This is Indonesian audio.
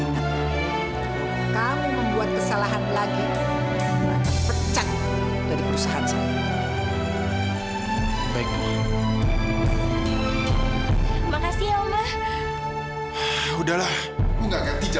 yaudah hati hati ya